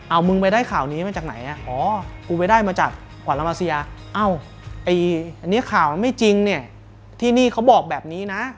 เอามึงไปได้ข่าวนี้มาจากไหนอ่ะอ๋อกูไปได้มาจากขวานละมาเซียเอ้าไอ้อันนี้ข่าวมันไม่จริงเนี่ยที่นี่เขาบอกแบบนี้นะ